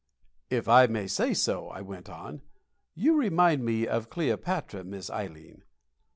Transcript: "If I may say so," I went on, "you remind me of Cleopatra, Miss Ileen."